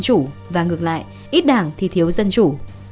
chủ và ngược lại ít đảng thì thiếu dân chủ